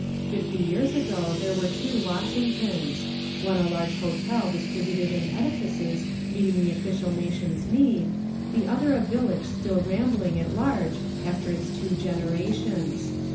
Fifty years ago there were two Washingtons, — one a large hotel dbtributed in edifices meeting the official nation's need, the other a village still rambling at large after its two generations.